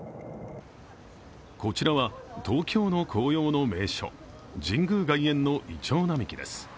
こちらは、東京の紅葉の名所神宮外苑のいちょう並木です。